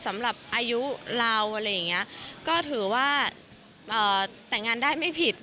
สำหรับอายุเราอะไรอย่างนี้ก็ถือว่าแต่งงานได้ไม่ผิด